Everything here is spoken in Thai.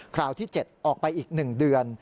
คราวที่๗ออกไปอีก๑เดือน